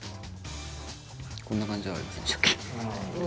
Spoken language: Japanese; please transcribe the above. こんな感じのありませんでしたっけ？